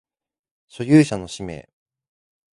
所有者の氏名